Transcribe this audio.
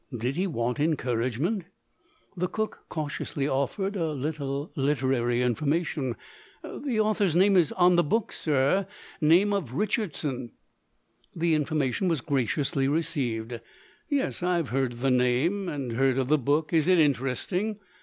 Did he want encouragement? The cook cautiously offered a little literary information, "The author's name is on the book, sir. Name of Richardson." The information was graciously received, "Yes; I've heard of the name, and heard of the book. Is it interesting?"